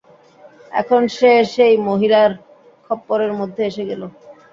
এখন সে সেই মহিলার খপ্পরের মধ্যে এসে গেল।